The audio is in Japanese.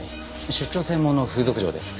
出張専門の風俗嬢です。